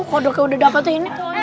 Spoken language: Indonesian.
kodoknya udah dapet ini